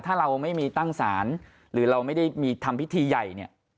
ถ้าเราไม่มีตั้งศาลหรือเราไม่ได้มีทำพิธีใหญ่เนี่ย